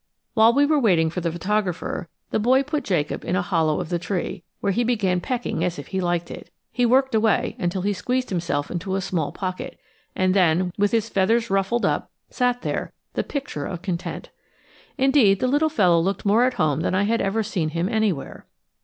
While we were waiting for the photographer, the boy put Jacob in a hollow of the tree, where he began pecking as if he liked it. He worked away till he squeezed himself into a small pocket, and then, with his feathers ruffled up, sat there, the picture of content. Indeed, the little fellow looked more at home than I had ever seen him anywhere.